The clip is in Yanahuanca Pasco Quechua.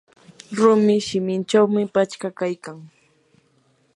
rumi sikinchawmi pachka kaykan.